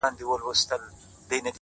ما اورېدلي چي له مړاوو اوبو سور غورځي;